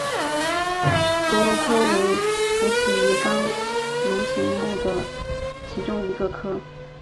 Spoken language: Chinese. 河鲈科为辐鳍鱼纲鲈形目的其中一个科。